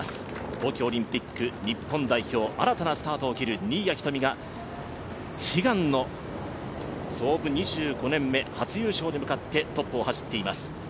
東京オリンピック日本代表、新たなスタートを切る新谷仁美が悲願の創部２５年目初優勝に向かってトップを走っています。